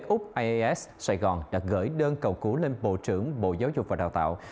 úc ias sài gòn đã gửi đơn cầu cứu lên bộ trưởng bộ giáo dục và đào tạo